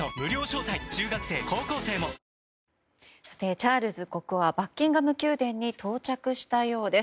チャールズ国王はバッキンガム宮殿に到着したようです。